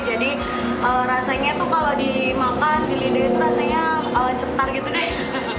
jadi rasanya tuh kalau dimakan di lidah itu rasanya cetar gitu deh